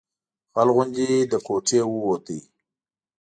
غل غوندې له کوټې ووت.